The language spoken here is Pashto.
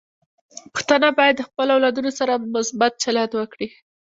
پښتانه بايد د خپلو اولادونو سره مثبت چلند وکړي.